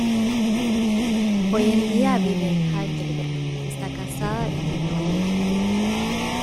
Hoy en día vive en Heidelberg, está casada y tiene una hija.